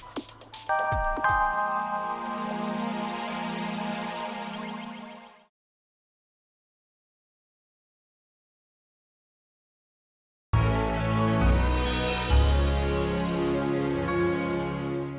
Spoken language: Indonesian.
ya tapi gue mau